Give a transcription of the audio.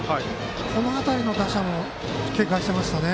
この辺りの打者も警戒してましたね。